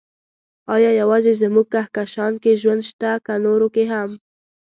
ايا يوازې زموږ کهکشان کې ژوند شته، که نورو کې هم؟